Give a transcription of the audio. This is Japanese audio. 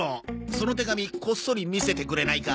その手紙こっそり見せてくれないか？